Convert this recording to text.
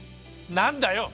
何だよ！